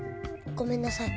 ごめんなさい。